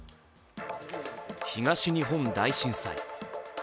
東日本大震災。